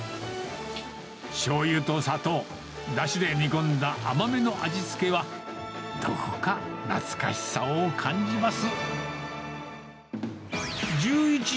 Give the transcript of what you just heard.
しょうゆと砂糖、だしで煮込んだ甘めの味付けは、どこか懐かしさを感じます。